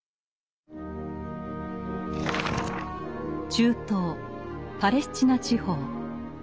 中東パレスチナ地方。